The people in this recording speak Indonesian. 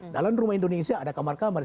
dalam rumah indonesia ada kamar kamar